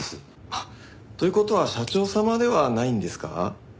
あっという事は社長様ではないんですか？